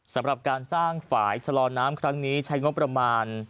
สำหรับการสร้างฝ่ายชะลอน้ำครั้งนี้ใช้งบประมาณ